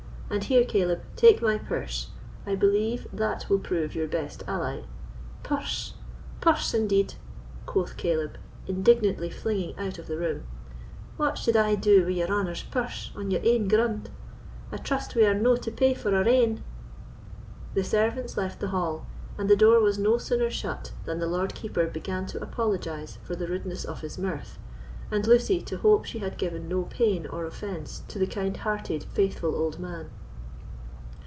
And here, Caleb, take my purse; I believe that will prove your best ally." "Purse! purse, indeed!" quoth Caleb, indignantly flinging out of the room; "what suld I do wi' your honour's purse, on your ain grund? I trust we are no to pay for our ain?" The servants left the hall; and the door was no sooner shut than the Lord Keeper began to apologise for the rudeness of his mirth; and Lucy to hope she had given no pain or offence to the kind hearted faithful old man.